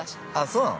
◆そうなの？